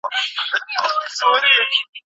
وطن باید په جنګونو کي وران نه شي.